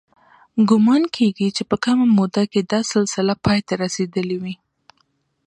ګومان کېږي چې په کمه موده کې دا سلسله پای ته رسېدلې وي.